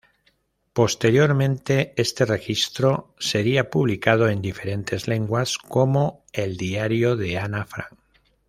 Posteriormente, este registro sería publicado en diferentes lenguas como "El diario de Ana Frank".